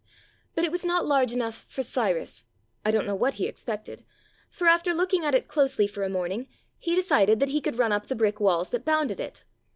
But it was not large enough for Cyrus (I don't know what he expected), for after looking at it closely for a morning, he decided that he could run up the brick walls that bounded it.